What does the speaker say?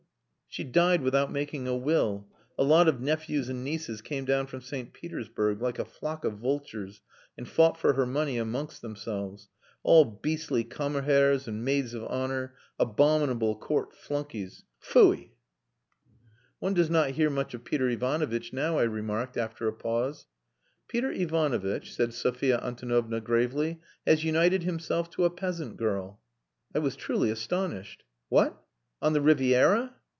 "She died without making a will. A lot of nephews and nieces came down from St. Petersburg, like a flock of vultures, and fought for her money amongst themselves. All beastly Kammerherrs and Maids of Honour abominable court flunkeys. Tfui!" "One does not hear much of Peter Ivanovitch now," I remarked, after a pause. "Peter Ivanovitch," said Sophia Antonovna gravely, "has united himself to a peasant girl." I was truly astonished. "What! On the Riviera?"